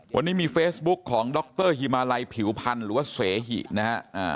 วันนี้มีเฟซบุ๊คของดรฮิมาลัยผิวพันธ์หรือว่าเสหินะฮะ